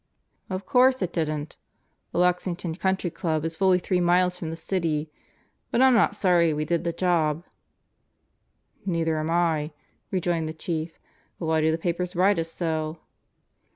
"Of course it didn't. The Lexington Country Club is fully three miles from the city. But I'm not sorry we did the job." "Neither am I," rejoined the Chief. "But why do the papers ride us so?"